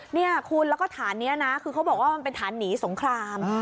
เนี่ยคุณแล้วก็ฐานนี้นะคือเขาบอกว่ามันเป็นฐานหนีสงคราม